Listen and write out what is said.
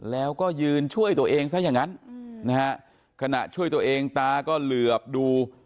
แล้วก็ยืนช่วยตัวเองซะอย่างนั้นนะฮะขณะช่วยตัวเองตาก็เหลือบดู